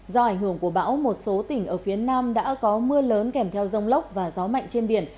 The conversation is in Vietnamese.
do ảnh hưởng của bão một số tỉnh ở phía nam đã có mưa lớn kèm theo rông lốc và gió mạnh trên biển